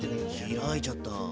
開いちゃった。